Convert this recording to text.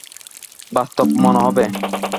বাস্তব মনে হবে।